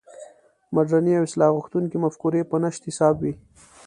مډرنې او اصلاح غوښتونکې مفکورې په نشت حساب وې.